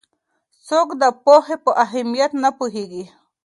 څوک د پوهې په اهمیت نه پوهېږي؟